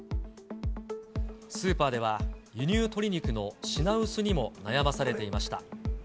スーパーでは、輸入鶏肉の品薄にも悩まされていました。